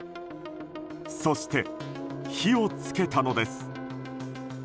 そして、火を付けたのです。